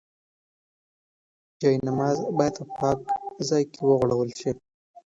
جاینماز باید په پاک ځای کې وغوړول شي.